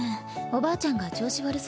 おばあちゃんが調子悪そうで。